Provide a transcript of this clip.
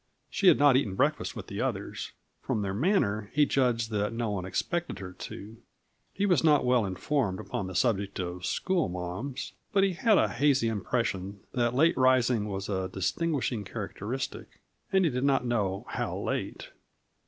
She had not eaten breakfast with the others; from their manner, he judged that no one expected her to. He was not well informed upon the subject of schoolma'ams, but he had a hazy impression that late rising was a distinguishing characteristic and he did not know how late.